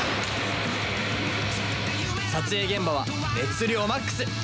撮影現場は熱量マックス！